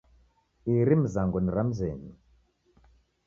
Iri mizango ni ra mzenyu